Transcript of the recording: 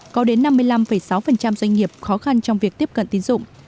có đến năm mươi năm sáu doanh nghiệp khó khăn trong việc tiếp cận tín dụng